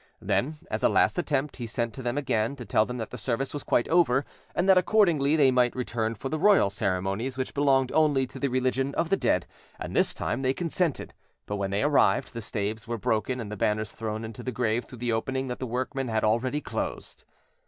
Then, as a last attempt, he sent to them again, to tell them that the service was quite over, and that accordingly they might return for the royal ceremonies, which belonged only to the religion of the dead; and this time they consented; but when they arrived, the staves were broken, and the banners thrown into the grave through the opening that the workmen had already closed.